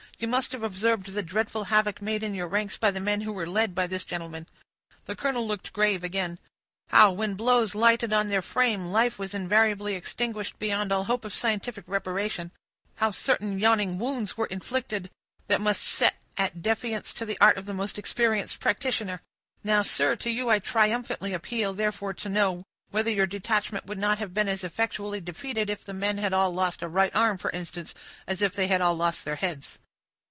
"You must have observed the dreadful havoc made in your ranks by the men who were led by this gentleman"; the colonel looked grave, again; "how, when blows lighted on their frames, life was invariably extinguished, beyond all hope of scientific reparation; how certain yawning wounds were inflicted, that must set at defiance the art of the most experienced practitioner; now, sir, to you I triumphantly appeal, therefore, to know whether your detachment would not have been as effectually defeated, if the men had all lost a right arm, for instance, as if they had all lost their heads."